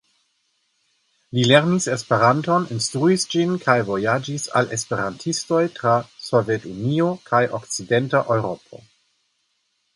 Li lernis Esperanton, instruis ĝin kaj vojaĝis al esperantistoj tra Sovetunio kaj okcidenta Eŭropo.